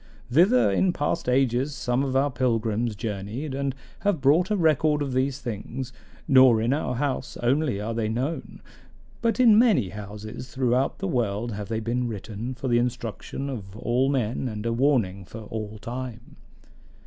Thither in past ages some of our pilgrims journeyed, and have brought a record of these things; nor in our house only are they known, but in many houses throughout the world have they been written for the instruction of all men and a warning for all time.